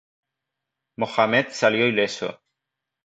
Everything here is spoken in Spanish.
Mohammed salió ileso.